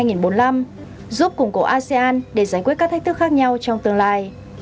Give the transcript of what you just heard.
giúp củng cố asean để giải quyết các thách thức khác nhau trong tương lai